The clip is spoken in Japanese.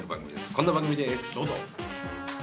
こんな番組です。